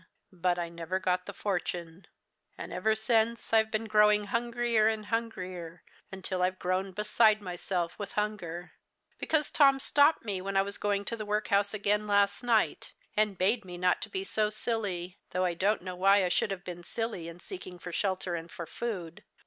But I never got the fortune. "And ever since I've been growing hungrier and hungrier, until I've grown beside myself with hunger because Tom stopped me when I was going to the workhouse again last night, and bade me not to be so silly, though I don't know why I should have been silly in seeking for shelter and for food.